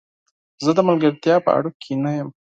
زه د ملګرتیا په اړیکو کې نه یم.